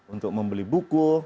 untuk membeli buku